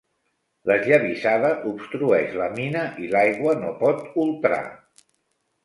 L'esllavissada obstrueix la mina i l'aigua no pot ultrar.